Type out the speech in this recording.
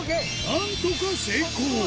なんとか成功！